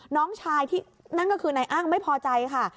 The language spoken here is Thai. น้องชายที่นั่นก็คือนายอ้างไม่พอใจค่ะ